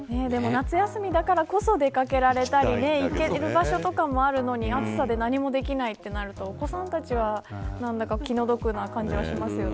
夏休みだからこそ出掛けられたり行ける場所とかもあるのに暑さで何もできないとなるとお子さんたちは気の毒な感じはしますよね。